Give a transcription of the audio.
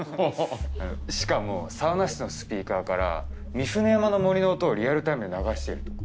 しかもサウナ室のスピーカーから御船山の森の音をリアルタイムで流しているとか。